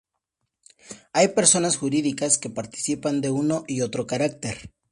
Hay personas jurídicas que participan de uno y otro carácter.